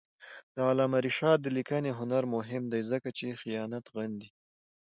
د علامه رشاد لیکنی هنر مهم دی ځکه چې خیانت غندي.